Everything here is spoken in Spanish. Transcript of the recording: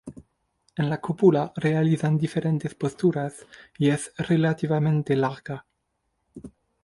En la cópula realizan diferentes posturas y es relativamente larga.